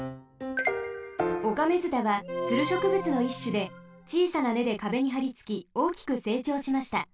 オカメヅタはツルしょくぶつのいっしゅでちいさなねでかべにはりつきおおきくせいちょうしました。